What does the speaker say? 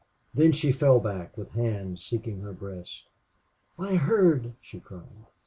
Then she fell back with hands seeking her breast. "I heard!" she cried.